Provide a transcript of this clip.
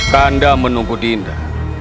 kanda menunggu dinda